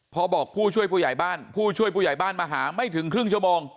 พอบอกผู้ช่วยผู้ใหญ่บ้านผู้ช่วยผู้ใหญ่บ้านมาหาไม่ถึงครึ่งชั่วโมง